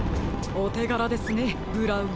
おてがらですねブラウン。